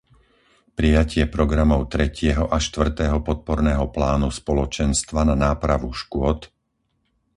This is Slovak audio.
prijatie programov tretieho a štvrtého podporného plánu Spoločenstva na nápravu škôd,